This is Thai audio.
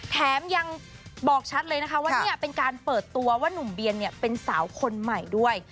แถมยังบอกชัดเลยนะคะว่าเนี่ยเป็นการเปิดตัวว่านุ่มเบียนเนี่ยเป็นสาวคนใหม่ด้วย